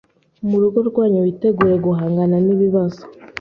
mu rugo rwanyu witegure guhangana n’ibibazo